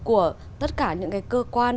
của tất cả những cái cơ quan